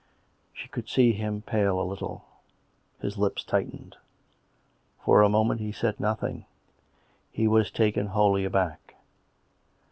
She could see him pale a little; his lips tightened. For a moment he said nothing; he was taken wholly aback.